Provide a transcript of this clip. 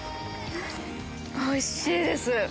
おいしいです！